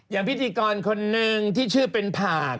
อย่างพิธีกรคนหนึ่งที่ชื่อเป็นผาก